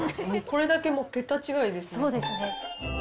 これだけもう、そうですね。